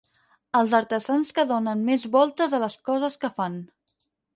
Els artesans que donen més voltes a les coses que fan.